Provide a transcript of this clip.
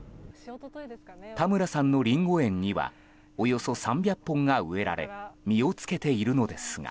田村さんのリンゴ園にはおよそ３００本が植えられ実をつけているのですが。